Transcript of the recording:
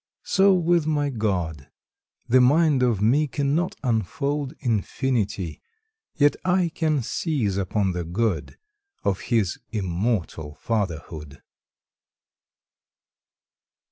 So with my God. The mind of me Cannot unfold Infinity, Yet I can seize upon the good Of His immortal Fatherhood!